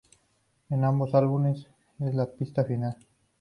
En ambos álbumes, es la pista final.